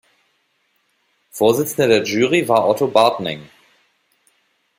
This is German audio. Vorsitzender der Jury war Otto Bartning.